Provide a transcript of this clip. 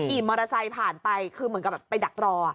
มอเตอร์ไซค์ผ่านไปคือเหมือนกับแบบไปดักรอ